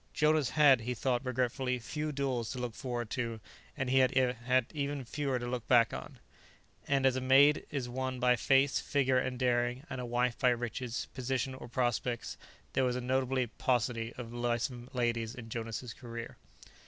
Jonas had, he thought regretfully, few duels to look forward to, and he had even fewer to look back on. And, as a maid is won by face, figure and daring, and a wife by riches, position or prospects, there was a notable paucity of lissome ladies in Jonas' career.